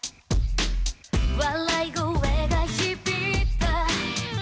「笑い声が響いた」